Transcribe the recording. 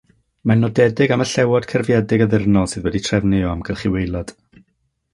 Mae'n nodedig am y llewod cerfiedig addurnol sydd wedi'u trefnu o amgylch ei waelod.